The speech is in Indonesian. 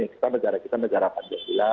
kita negara negara pancasila